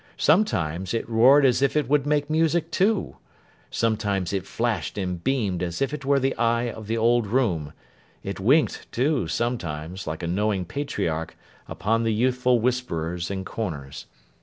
Sometimes, it roared as if it would make music too. Sometimes, it flashed and beamed as if it were the eye of the old room: it winked too, sometimes, like a knowing patriarch, upon the youthful whisperers in corners.